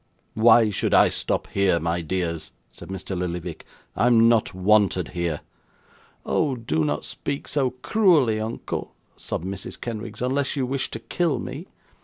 'Why should I stop here, my dears?' said Mr. Lillyvick; 'I'm not wanted here.' 'Oh, do not speak so cruelly, uncle,' sobbed Mrs. Kenwigs, 'unless you wish to kill me.